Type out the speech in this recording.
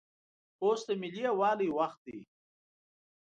اوس دملي یووالي وخت دی